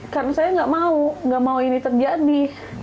karena saya gak mau gak mau ini terjadi